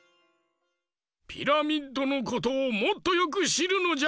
ピラミッドのことをもっとよくしるのじゃ。